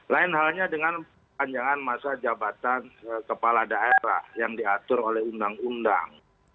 lain halnya dengan panjangan masa jabatan kepala daerah yang diatur oleh undang undang